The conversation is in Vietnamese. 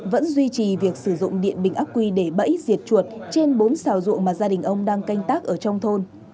vẫn duy trì việc sử dụng điện bình ác quy để bẫy diệt chuột trên bốn xào ruộng mà gia đình ông đang canh tác ở trong thôn